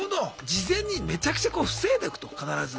事前にめちゃくちゃこう防いでおくと必ず。